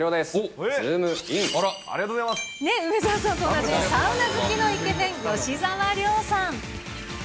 梅澤さんと同じサウナ好きのイケメン、吉沢亮さん。